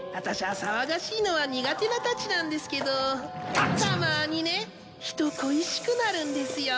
あ騒がしいのは苦手なたちなんですけどたまにね人恋しくなるんですよ。